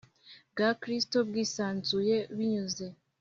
Bwa gikristo bwisanzuye binyuze